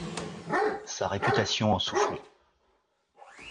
Sa réputation en souffrit.